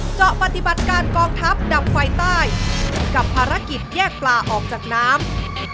เจาะปฏิบัติการกองทัพดับไฟใต้กับภารกิจแยกปลาออกจากน้ำ